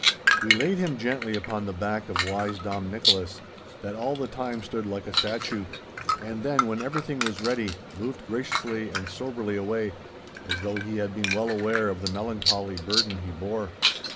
We laid him gently upon the back of wise Dom Nicholas, that all the time stood like a statue, and then when everything was ready, moved graciously and soberly away, as though he had been well aware of the melancholy burden he bore.